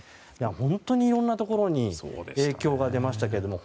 本当にいろんなところに影響が出ましたけども。